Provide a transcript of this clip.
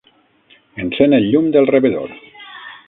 Encén el llum del rebedor.